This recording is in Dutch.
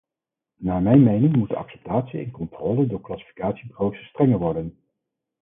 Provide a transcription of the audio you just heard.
Naar mijn mening moet de acceptatie en controle door classificatiebureaus strenger worden.